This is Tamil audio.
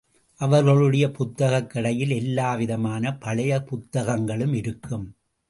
அவர்களுடைய புத்தகக் கடையில் எல்லாவிதமான பழைய புத்தகங்களும் இருக்கும்.